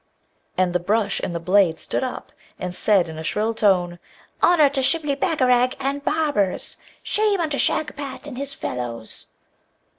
And the brush and the blade stood up, and said in a shrill tone, 'Honour to Shibli Bagarag and barbers! Shame unto Shagpat and his fellows!'